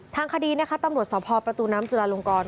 ทางคดีเนี่ยคะต้องรวชสภพประตูน้ำจุลลังกร